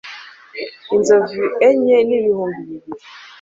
inzovu enye n ibihumbi bibiri